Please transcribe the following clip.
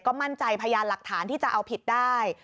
มั่นใจพยานหลักฐานที่จะเอาผิดได้